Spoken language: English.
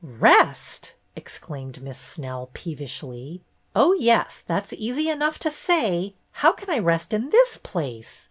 "Rest!" exclaimed Miss Snell, peevishly. "Oh, yes, that's easy enough to say. How can I rest in this place?